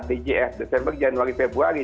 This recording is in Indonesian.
djf desember januari februari